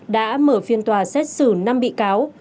đã mở phiên tòa xét xử năm bị cáo